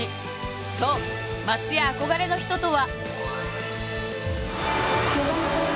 そう松也憧れの人とは。